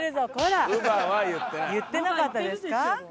言ってなかったですか？